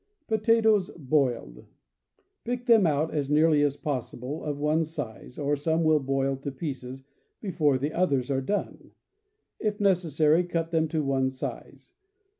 Potatoes, Boiled. — Pick them out as nearly as possi ble of one size, or some will boil to pieces before the others are done; if necessary, cut them to one size.